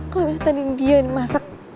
kalau misalnya tadi dia yang masak